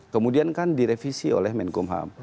kemudian kan direvisi oleh menkumham